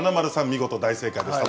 見事大正解でした。